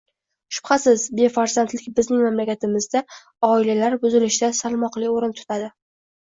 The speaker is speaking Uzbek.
Shubhasiz, befarzandlik bizning mamlakatimizda oilalar buzilishida salmoqli o‘rin tutadi.